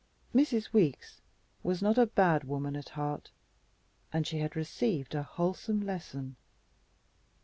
Mrs. Weeks was not a bad woman at heart, and she had received a wholesome lesson.